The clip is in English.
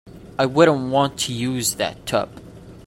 I wouldn't want to use that tub.